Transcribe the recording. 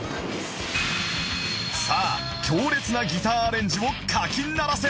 さあ強烈なギターアレンジをかき鳴らせ！